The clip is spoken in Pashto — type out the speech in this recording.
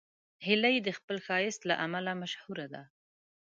هیلۍ د خپل ښایست له امله مشهوره ده